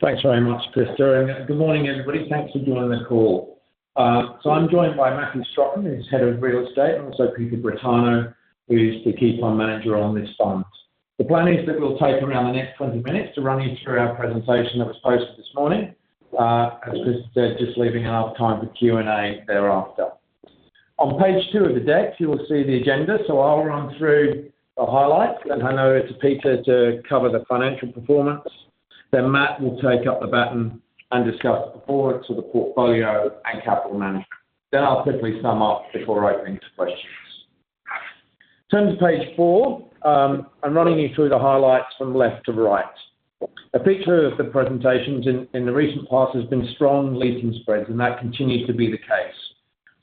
Thanks very much, Chris. Good morning, everybody. Thanks for joining the call. So I'm joined by Matthew Strotton, who's head of real estate, and also Peter Granato, who's the key fund manager on this fund. The plan is that we'll take around the next 20 minutes to run you through our presentation that was posted this morning. As Chris said, just leaving enough time for Q&A thereafter. On page two of the deck, you will see the agenda. So I'll run through the highlights. Then I'll know it's Peter to cover the financial performance. Then Matt will take up the baton and discuss the performance of the portfolio and capital management. Then I'll quickly sum up before opening to questions. Turn to page four. I'm running you through the highlights from left to right. A feature of the presentations in the recent past has been strong leasing spreads, and that continues to be the case,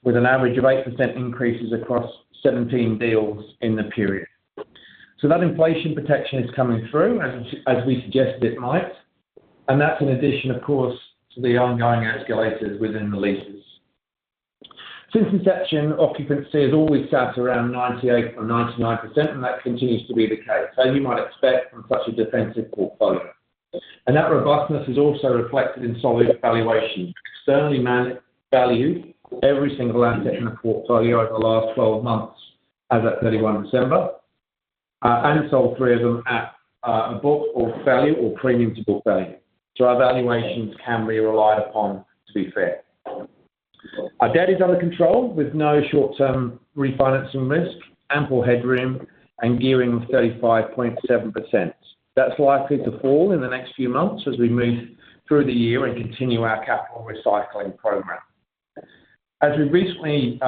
with an average of 8% increases across 17 deals in the period. So that inflation protection is coming through, as we suggest it might. And that's in addition, of course, to the ongoing escalators within the leases. Since inception, occupancy has always sat around 98 or 99%, and that continues to be the case, as you might expect from such a defensive portfolio. And that robustness is also reflected in solid valuation. Externally valued every single asset in the portfolio over the last 12 months, as of 31 December, and sold three of them at a book or value or premium to book value. So our valuations can be relied upon, to be fair. Our debt is under control with no short-term refinancing risk, ample headroom, and gearing of 35.7%. That's likely to fall in the next few months as we move through the year and continue our capital recycling program. As we recently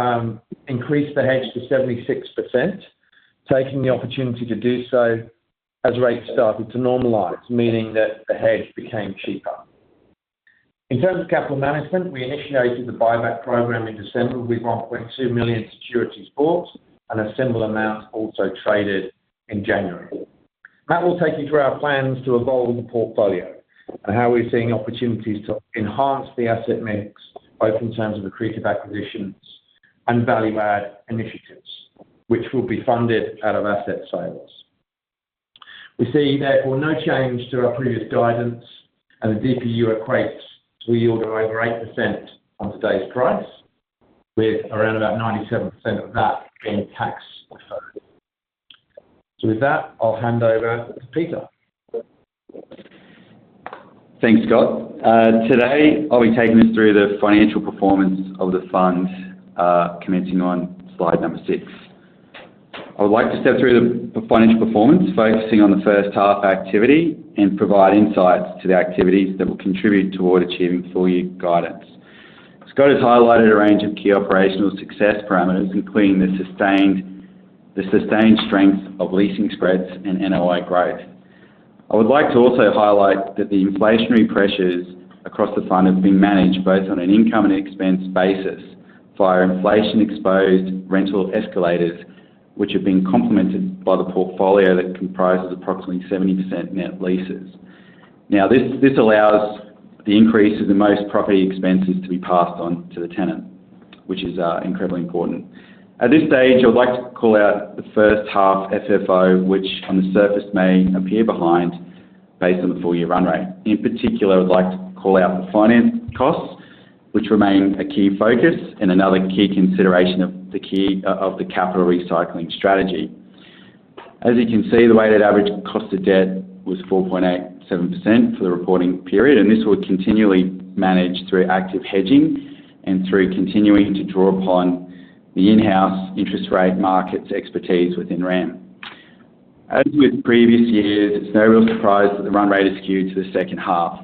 increased the hedge to 76%, taking the opportunity to do so as rates started to normalize, meaning that the hedge became cheaper. In terms of capital management, we initiated the buyback program in December with 1.2 million securities bought, and a similar amount also traded in January. That will take you through our plans to evolve the portfolio and how we're seeing opportunities to enhance the asset mix, both in terms of accretive acquisitions and value-add initiatives, which will be funded out of asset sales. We see, therefore, no change to our previous guidance, and the DPU equates to a yield of over 8% on today's price, with around about 97% of that being tax deferred. So with that, I'll hand over to Peter. Thanks, Scott. Today, I'll be taking us through the financial performance of the fund commencing on slide number six. I would like to step through the financial performance, focusing on the first half activity, and provide insights to the activities that will contribute toward achieving full-year guidance. Scott has highlighted a range of key operational success parameters, including the sustained strength of leasing spreads and NOI growth. I would like to also highlight that the inflationary pressures across the fund have been managed both on an income and expense basis via inflation-exposed rental escalators, which have been complemented by the portfolio that comprises approximately 70% net leases. Now, this allows the increase of the most property expenses to be passed on to the tenant, which is incredibly important. At this stage, I would like to call out the first half FFO, which on the surface may appear behind based on the full-year run rate. In particular, I would like to call out the finance costs, which remain a key focus and another key consideration of the capital recycling strategy. As you can see, the weighted average cost of debt was 4.87% for the reporting period, and this will continually manage through active hedging and through continuing to draw upon the in-house interest rate markets expertise within RAM. As with previous years, it's no real surprise that the run rate is skewed to the second half.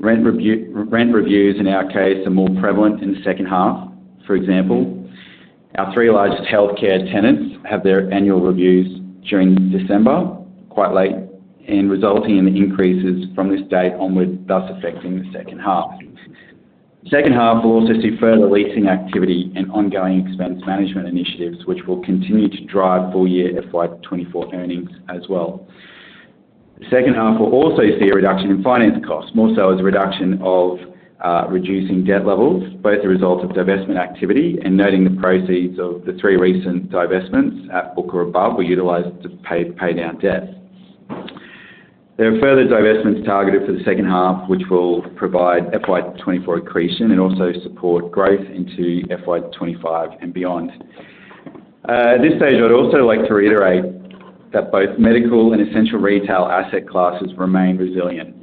Rent reviews, in our case, are more prevalent in the second half. For example, our three largest healthcare tenants have their annual reviews during December, quite late, and resulting in the increases from this date onward, thus affecting the second half. The second half will also see further leasing activity and ongoing expense management initiatives, which will continue to drive full-year FY24 earnings as well. The second half will also see a reduction in finance costs, more so as a reduction of reducing debt levels, both a result of divestment activity and noting the proceeds of the three recent divestments at book or above were utilized to pay down debt. There are further divestments targeted for the second half, which will provide FY24 accretion and also support growth into FY25 and beyond. At this stage, I'd also like to reiterate that both medical and essential retail asset classes remain resilient,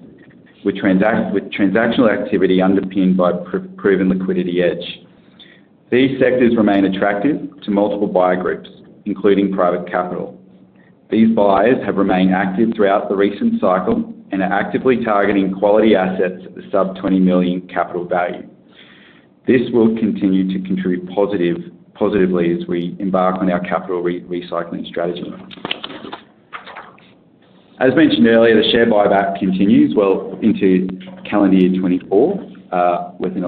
with transactional activity underpinned by proven liquidity edge. These sectors remain attractive to multiple buyer groups, including private capital. These buyers have remained active throughout the recent cycle and are actively targeting quality assets at the sub-20 million capital value. This will continue to contribute positively as we embark on our capital recycling strategy. As mentioned earlier, the share buyback continues well into calendar year 2024 with an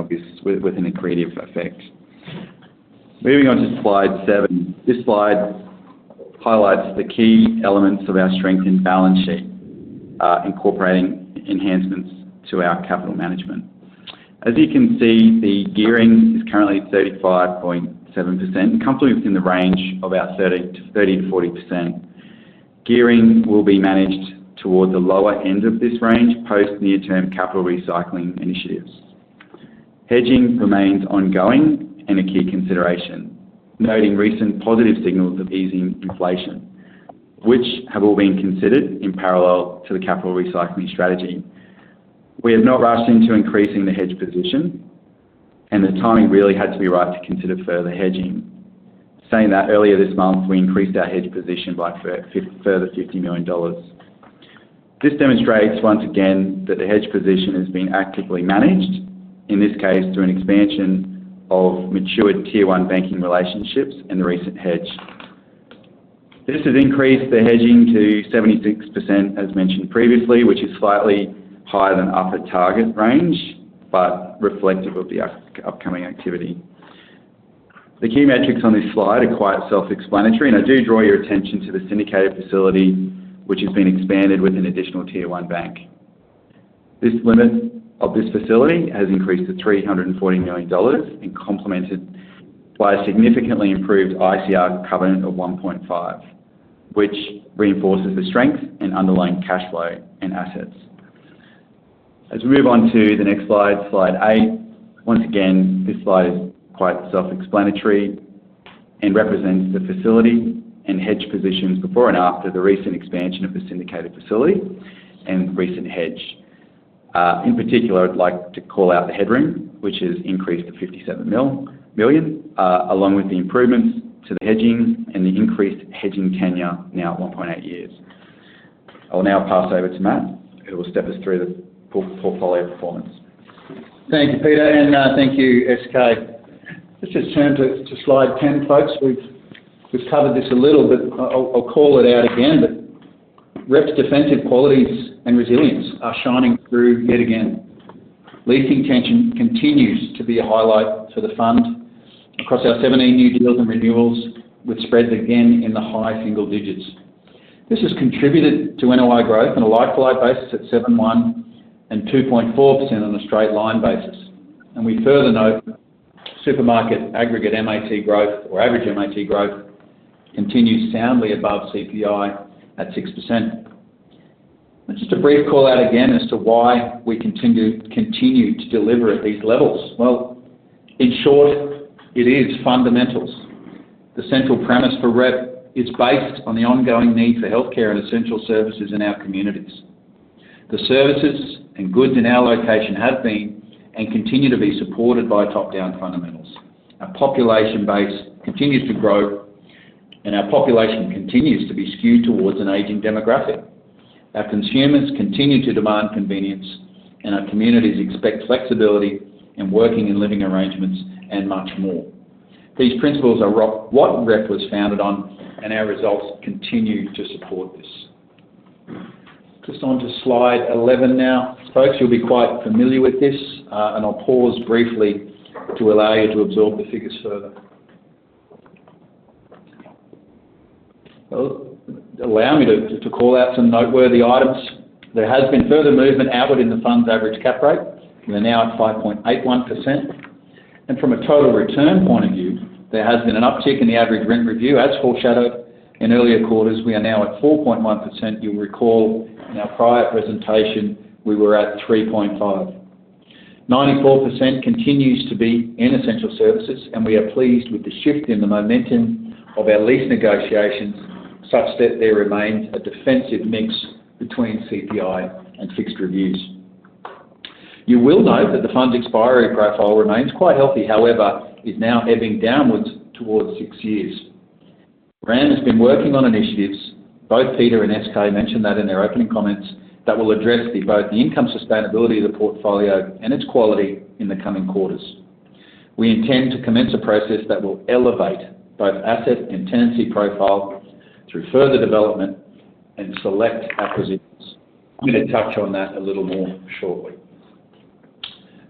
accretive effect. Moving on to slide seven, this slide highlights the key elements of our strength and balance sheet, incorporating enhancements to our capital management. As you can see, the gearing is currently 35.7%, comfortably within the range of our 30%-40%. Gearing will be managed towards the lower end of this range post near-term capital recycling initiatives. Hedging remains ongoing and a key consideration, noting recent positive signals of easing inflation, which have all been considered in parallel to the capital recycling strategy. We have not rushed into increasing the hedge position, and the timing really had to be right to consider further hedging, saying that earlier this month we increased our hedge position by further 50 million dollars. This demonstrates once again that the hedge position has been actively managed, in this case through an expansion of matured tier one banking relationships and the recent hedge. This has increased the hedging to 76%, as mentioned previously, which is slightly higher than upper target range, but reflective of the upcoming activity. The key metrics on this slide are quite self-explanatory, and I do draw your attention to the syndicated facility, which has been expanded with an additional tier one bank. The limit of this facility has increased to 349 million dollars and complemented by a significantly improved ICR covenant of 1.5, which reinforces the strength and underlying cash flow and assets. As we move on to the next slide, slide eight, once again, this slide is quite self-explanatory and represents the facility and hedge positions before and after the recent expansion of the syndicated facility and recent hedge. In particular, I'd like to call out the headroom, which has increased to 57 million, along with the improvements to the hedging and the increased hedging tenure now at 1.8 years. I'll now pass over to Matt, who will step us through the portfolio performance. Thank you, Peter, and thank you, SK. Let's just turn to slide 10, folks. We've covered this a little, but I'll call it out again. But REP's defensive qualities and resilience are shining through yet again. Leasing retention continues to be a highlight for the fund across our 17 new deals and renewals, with spreads again in the high single digits. This has contributed to NOI growth on a like-for-like basis at 7.1% and 2.4% on a straight-line basis. And we further note supermarket aggregate MAT growth, or average MAT growth, continues soundly above CPI at 6%. Just a brief call out again as to why we continue to deliver at these levels. Well in short, it is fundamentals. The central premise for REP is based on the ongoing need for healthcare and essential services in our communities. The services and goods in our location have been and continue to be supported by top-down fundamentals. Our population base continues to grow, and our population continues to be skewed towards an aging demographic. Our consumers continue to demand convenience, and our communities expect flexibility in working and living arrangements and much more. These principles are what REP was founded on, and our results continue to support this. Just on to slide 11 now. Folks, you'll be quite familiar with this, and I'll pause briefly to allow you to absorb the figures further. Allow me to call out some noteworthy items. There has been further movement outward in the fund's average cap rate. We're now at 5.81%, and from a total return point of view, there has been an uptick in the average rent review, as foreshadowed in earlier quarters. We are now at 4.1%. You'll recall you know in our prior presentation, we were at 3.5. 94% continues to be in essential services, and we are pleased with the shift in the momentum of our lease negotiations such that there remains a defensive mix between CPI and fixed reviews. You will note that the fund's expiry profile remains quite healthy; however, it is now ebbing downwards towards six years. RAM has been working on initiatives. Both Peter and SK mentioned that in their opening comments that will address both the income sustainability of the portfolio and its quality in the coming quarters. We intend to commence a process that will elevate both asset and tenancy profile through further development and select acquisitions. I'm going to touch on that a little more shortly.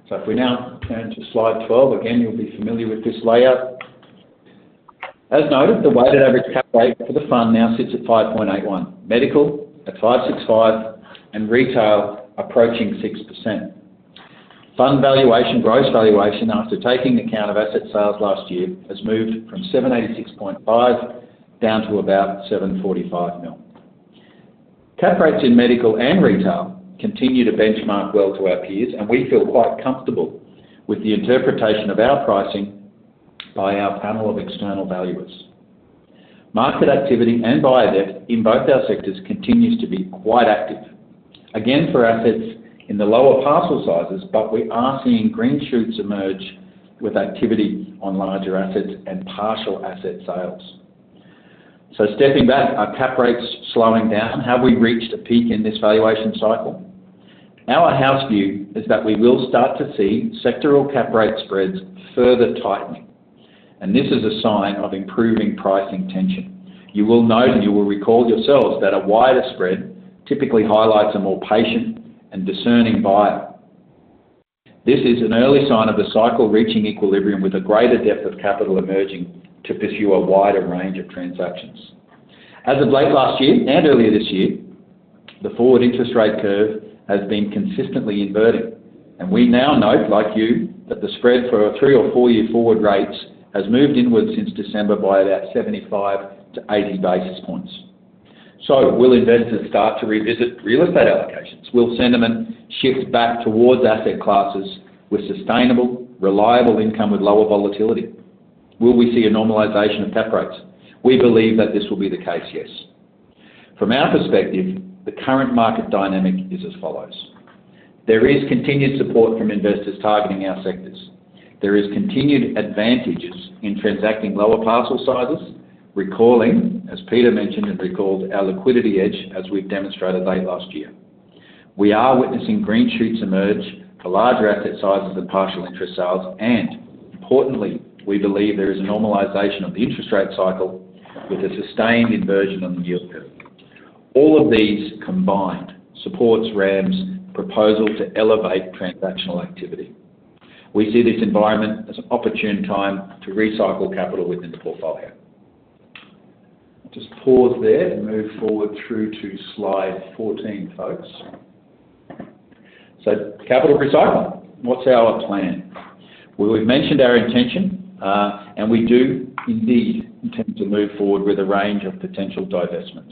So if we now turn to slide 12, again, you'll be familiar with this layout. As noted, the weighted average cap rate for the fund now sits at 5.81. Medical at 5.65 and retail approaching 6%. Fund valuation, gross valuation after taking account of asset sales last year, has moved from 786.5 million down to about 745 million. Cap rates in medical and retail continue to benchmark well to our peers, and we feel quite comfortable with the interpretation of our pricing by our panel of external valuers. Market activity and buyer debt in both our sectors continues to be quite active. Again, for assets in the lower parcel sizes, but we are seeing green shoots emerge with activity on larger assets and partial asset sales. So stepping back, our cap rate's slowing down. Have we reached a peak in this valuation cycle? Our house view is that we will start to see sectoral cap rate spreads further tightening, and this is a sign of improving pricing tension. You will note, and you will recall yourselves, that a wider spread typically highlights a more patient and discerning buyer. This is an early sign of the cycle reaching equilibrium with a greater depth of capital emerging to pursue a wider range of transactions. As of late last year and earlier this year, the forward interest rate curve has been consistently inverting, and we now note, like you, that the spread for our three or four-year forward rates has moved inward since December by about 75 to 80 basis points. So will investors start to revisit real estate allocations? Will sentiment shift back towards asset classes with sustainable, reliable income with lower volatility? Will we see a normalization of cap rates? We believe that this will be the case, yes. From our perspective, the current market dynamic is as follows. There is continued support from investors targeting our sectors. There is continued advantages in transacting lower parcel sizes, recalling, as Peter mentioned and recalled, our liquidity edge as we've demonstrated late last year. We are witnessing green shoots emerge for larger asset sizes and partial interest sales, and importantly, we believe there is a normalization of the interest rate cycle with a sustained inversion on the yield curve. All of these combined support RAM's proposal to elevate transactional activity. We see this environment as an opportune time to recycle capital within the portfolio. I'll just pause there and move forward through to slide 14, folks. So capital recycling, what's our plan? We've mentioned our intention, and we do indeed intend to move forward with a range of potential divestments.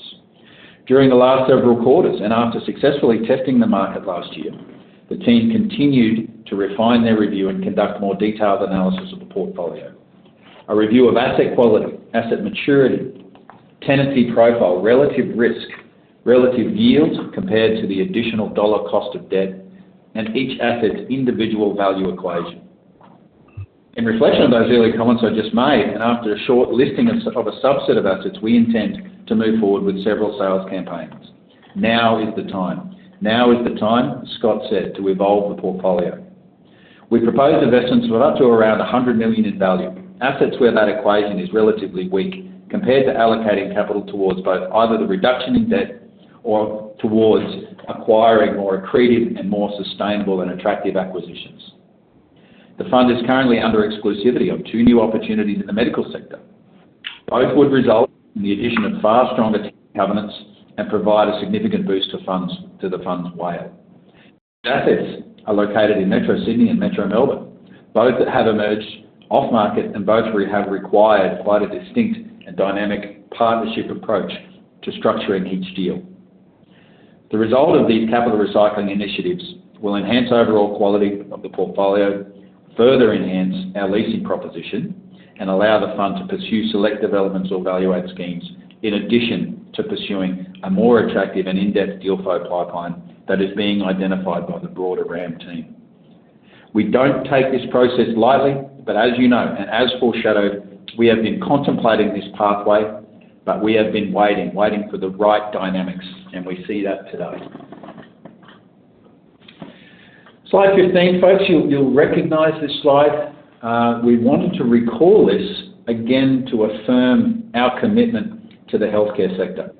During the last several quarters and after successfully testing the market last year, the team continued to refine their review and conduct more detailed analysis of the portfolio. A review of asset quality, asset maturity, tenancy profile, relative risk, relative yield compared to the additional dollar cost of debt, and each asset's individual value equation. In reflection on those earlier comments I just made, and after a short listing of a subset of assets, we intend to move forward with several sales campaigns. Now is the time. Now is the time, Scott said, to evolve the portfolio. We propose investments of up to around 100 million in value, assets where that equation is relatively weak, compared to allocating capital towards both either the reduction in debt or towards acquiring more accretive and more sustainable and attractive acquisitions. The fund is currently under exclusivity on two new opportunities in the medical sector. Both would result in the addition of far stronger covenants and provide a significant boost to the funds to the fund's WALE. The assets are located in Metro Sydney and Metro Melbourne, both that have emerged off-market and both have required quite a distinct and dynamic partnership approach to structuring each deal. The result of these capital recycling initiatives will enhance overall quality of the portfolio, further enhance our leasing proposition, and allow the fund to pursue selective elements or value-add schemes in addition to pursuing a more attractive and in-depth deal flow pipeline that is being identified by the broader RAM team. We don't take this process lightly, but as you know and as foreshadowed, we have been contemplating this pathway, but we have been waiting, waiting for the right dynamics, and we see that today. Slide 15, folks, you'll recognize this slide. We wanted to recall this again to affirm our commitment to the healthcare sector.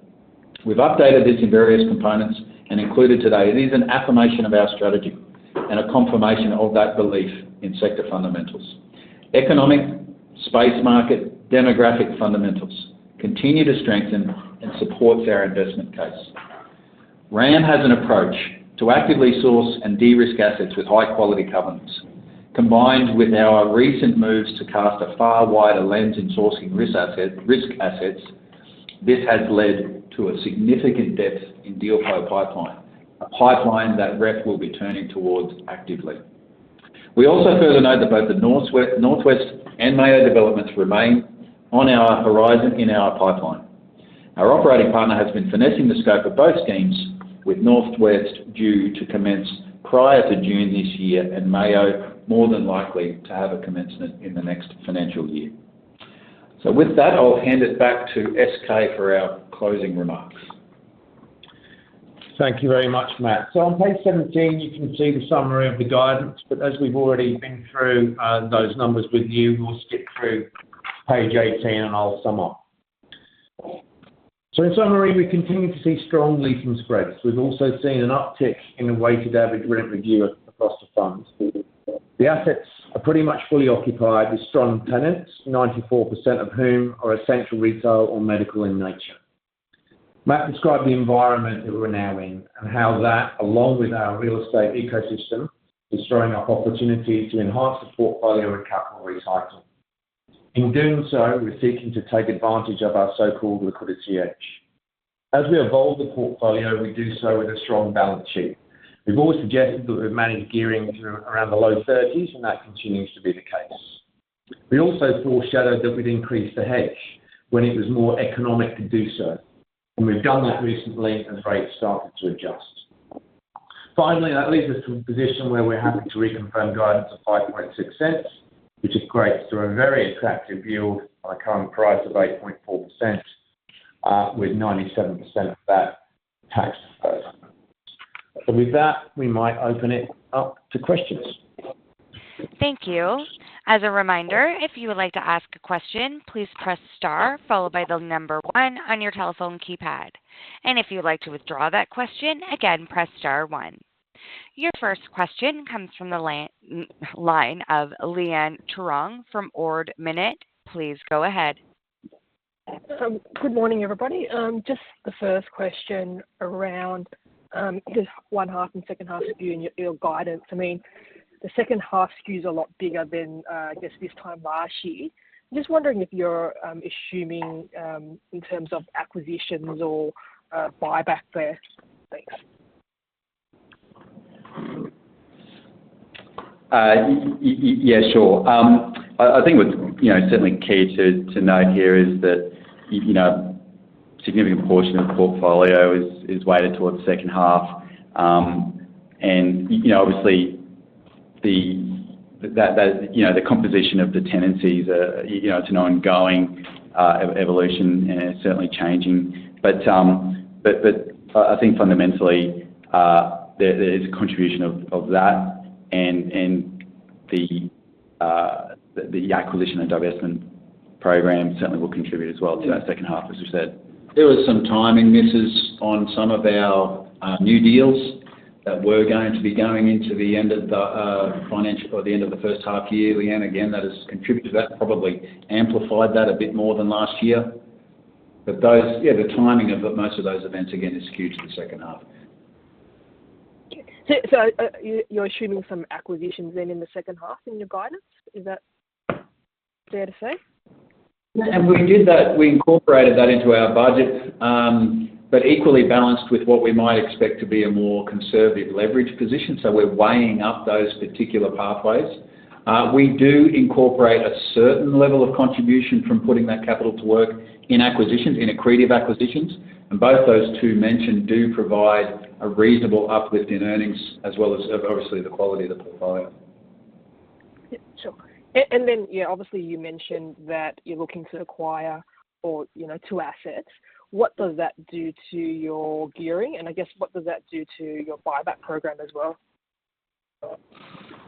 We've updated this in various components and included today. It is an affirmation of our strategy and a confirmation of that belief in sector fundamentals. Economic, space market, demographic fundamentals continue to strengthen and support our investment case. RAM has an approach to actively source and de-risk assets with high-quality covenants. Combined with our recent moves to cast a far wider lens in sourcing risk assets, this has led to a significant depth in deal flow pipeline, a pipeline that REP will be turning towards actively. We also further note that both the Northwest and Mayo developments remain on our horizon in our pipeline. Our operating partner has been finessing the scope of both schemes with Northwest, due to commence prior to June this year, and Mayo more than likely to have a commencement in the next financial year. So with that, I'll hand it back to SK for our closing remarks. Thank you very much, Matt. So on page 17, you can see the summary of the guidance, but as we've already been through those numbers with you, we'll skip through page 18 and I'll sum up. So in summary, we continue to see strong leasing spreads. We've also seen an uptick in the weighted average rent review across the fund. The assets are pretty much fully occupied with strong tenants, 94% of whom are essential retail or medical in nature. Matt described the environment that we're now in and how that, along with our real estate ecosystem, is throwing up opportunities to enhance the portfolio and capital recycling. In doing so, we're seeking to take advantage of our so-called liquidity edge. As we evolve the portfolio, we do so with a strong balance sheet. We've always suggested that we've managed gearing around the low 30s, and that continues to be the case. We also foreshadowed that we'd increase the hedge when it was more economic to do so, and we've done that recently as rates started to adjust. Finally, that leads us to a position where we're happy to reconfirm guidance of 0.056, which is great through a very attractive yield on a current price of 8.4% with 97% of that tax. So with that, we might open it up to questions. Thank you. As a reminder, if you would like to ask a question, please press star followed by the number one on your telephone keypad. And if you'd like to withdraw that question, again, press star one. Your first question comes from the line of Leanne Truong from Ord Minnett. Please go ahead. Good morning, everybody. Just the first question around the first-half and second-half skew in your guidance. I mean, the second-half skew's a lot bigger than, I guess, this time last year. Just wondering if you're assuming in terms of acquisitions or buyback first. Thanks. Yeah, sure. I think you know what's certainly key to note here is that you know a significant portion of the portfolio is weighted towards the second half, and obviously, you know the composition of the tenancies is an ongoing evolution and is certainly changing, but I think fundamentally, there is a contribution of that, and the acquisition and divestment program certainly will contribute as well to that second half, as we said. There were some timing misses on some of our new deals that were going to be going into the end of the financial or the end of the first half year. Leanne, again, that has contributed to that. Probably amplified that a bit more than last year. But yeah, the timing of most of those events, again, is skewed to the second half. So you're assuming some acquisitions then in the second half in your guidance? Is that fair to say? And we did that. We incorporated that into our budget, but equally balanced with what we might expect to be a more conservative leverage position. So we're weighing up those particular pathways. We do incorporate a certain level of contribution from putting that capital to work in acquisitions, in accretive acquisitions. And both those two mentioned do provide a reasonable uplift in earnings as well as, obviously, the quality of the portfolio. Sure. And then, yeah, obviously, you mentioned that you're looking to acquire forward you know two assets. What does that do to your gearing? And I guess, what does that do to your buyback program as well?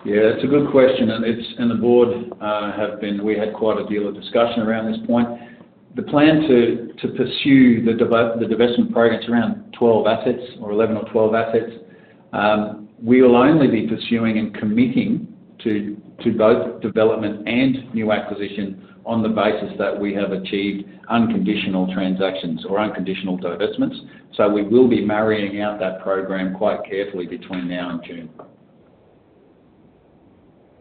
Yeah, it's a good question. And it's and the board have been. We had quite a deal of discussion around this point. The plan to pursue the divestment program's around 12 assets or 11 or 12 assets. We will only be pursuing and committing to both development and new acquisition on the basis that we have achieved unconditional transactions or unconditional divestments. So we will be marrying out that program quite carefully between now and June.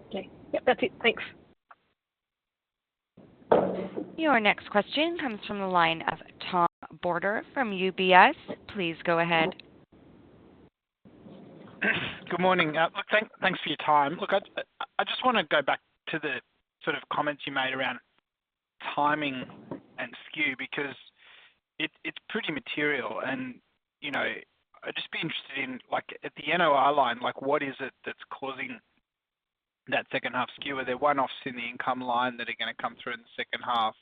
Okay. Yep, that's it. Thanks. Your next question comes from the line of Tom Bodor from UBS. Please go ahead. Good morning. Thanks for your time. Look, I just want to go back to the sort of comments you made around timing and skew because it's pretty material. And you know I'd just be interested in, at the NOI line, like what is it that's causing that second-half skew? Are there one-offs in the income line that are going to come through in the second half?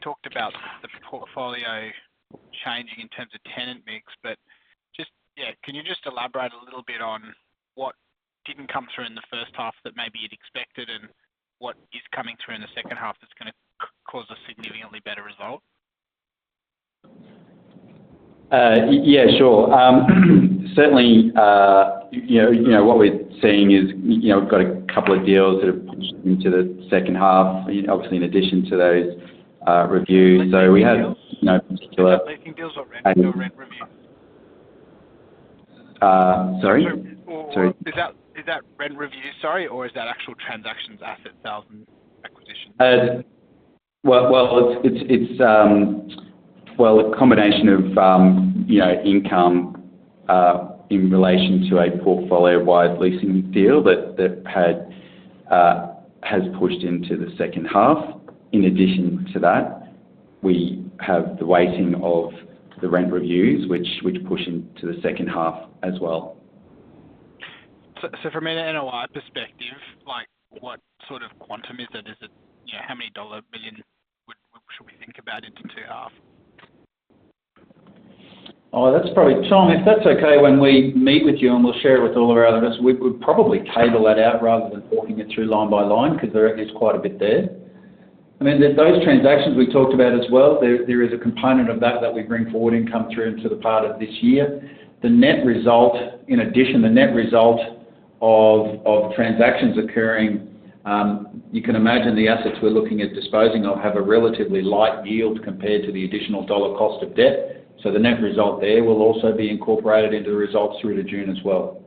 Talked about the portfolio changing in terms of tenant mix, but just, yeah, can you just elaborate a little bit on what didn't come through in the first half that maybe you'd expected and what is coming through in the second half that's going to cause a significantly better result? Yeah, sure. Certainly, you know you know what we're seeing is you know we've got a couple of deals that have pushed into the second half, obviously, in addition to those reviews. So we have no particular. Are you talking about leasing deals or rent review? Sorry? Is that rent review, sorry, or is that actual transactions, asset sales, and acquisition? Well it's it's a combination of you know income in relation to a portfolio-wide leasing deal that has pushed into the second half. In addition to that, we have the weighting of the rent reviews, which push into the second half as well. From an NOI perspective, like what sort of quantum is it? How many billion dollars should we think about in the 2H? Oh, that's probably, Tom, if that's okay, when we meet with you and we'll share it with all of our others, we would probably cable that out rather than talking it through line by line because there is quite a bit there. I mean, those transactions we talked about as well, there is a component of that that we bring forward income through into the part of this year. The net result, in addition, the net result of transactions occurring, you can imagine the assets we're looking at disposing of have a relatively light yield compared to the additional dollar cost of debt. So the net result there will also be incorporated into the results through to June as well.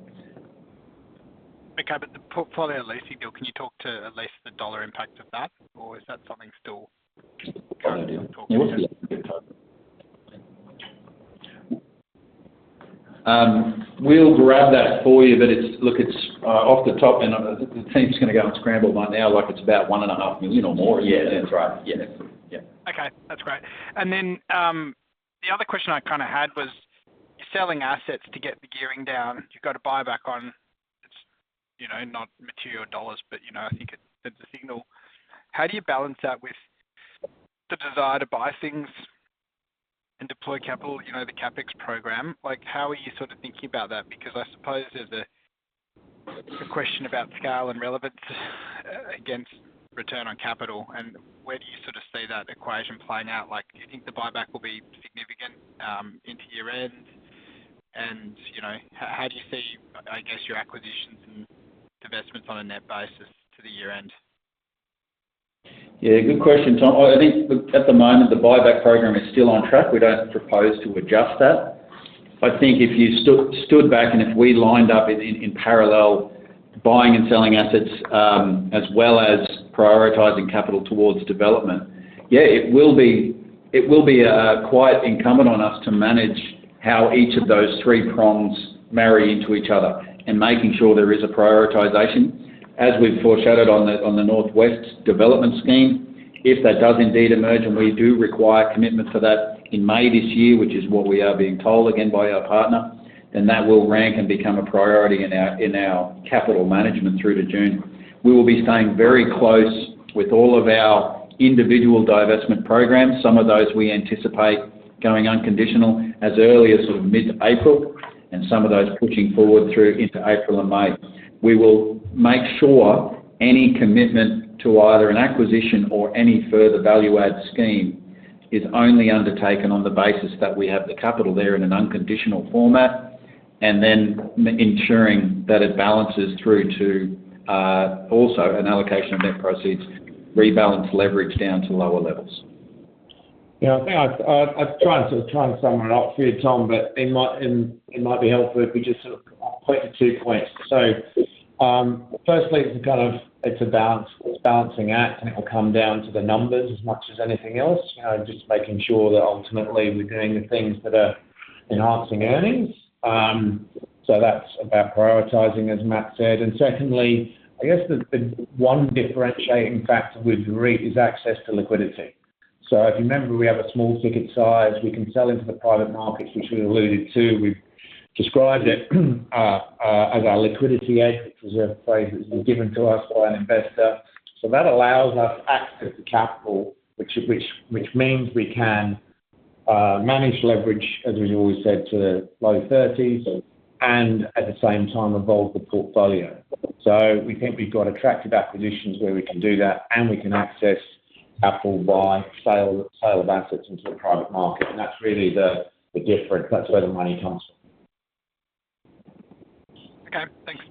Okay. But the portfolio and leasing deal, can you talk to at least the dollar impact of that, or is that something still? I have no idea. We'll grab that for you, but look, it's off the top, and the team's going to go and scramble by now. Like It's about 1.5 million or more. Yeah. That's right. Yeah. Okay. That's great. And then the other question I kind of had was selling assets to get the gearing down. You've got a buyback on. It's not material dollars, but I think it's a signal. How do you balance that with the desire to buy things and deploy capital, you know the CapEx program? Like how are you sort of thinking about that? Because I suppose there's a question about scale and relevance against return on capital. And where do you sort of see that equation playing out? Like do you think the buyback will be significant into year-end? And you know how do you see, I guess, your acquisitions and investments on a net basis to the year-end? Yeah. Good question, Tom. I think at the moment, the buyback program is still on track. We don't propose to adjust that. I think if you stood back and if we lined up in parallel buying and selling assets as well as prioritizing capital towards development, yeah, it will be it will be quite incumbent on us to manage how each of those three prongs marry into each other and making sure there is a prioritization, as we've foreshadowed on the Northwest Development Scheme. If that does indeed emerge and we do require commitment for that in May this year, which is what we are being told again by our partner, then that will rank and become a priority in our capital management through to June. We will be staying very close with all of our individual divestment programs. Some of those we anticipate going unconditional as early as sort of mid-April, and some of those pushing forward through into April and May. We will make sure any commitment to either an acquisition or any further value-add scheme is only undertaken on the basis that we have the capital there in an unconditional format and then ensuring that it balances through to also an allocation of net proceeds, rebalance leverage down to lower levels. Yeah Matt, I've tried sometimes to summarize few times but it might be helpful if we just to two points. So firstly, it's a kind of it's a balancing act, and it will come down to the numbers as much as anything else, just making sure that ultimately we're doing the things that are enhancing earnings. So that's about prioritizing, as Matt said. And secondly, I guess the one differentiating factor with REIT is access to liquidity. So if you remember, we have a small ticket size. We can sell into the private markets, which we alluded to. We've described it as our liquidity edge, which is a phrase that's been given to us by an investor. So that allows us access to capital, which means we can manage leverage, as we always said, to low 30s and at the same time evolve the portfolio. So we think we've got attractive acquisitions where we can do that, and we can access capital by sale of assets into the private market. And that's really the difference. That's where the money comes from. Okay. Thanks.